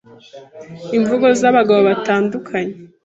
Imvugo z’abagabo batandukanye